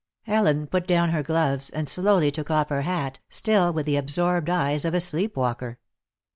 Ellen put down her gloves and slowly took off her hat, still with the absorbed eyes of a sleep walker.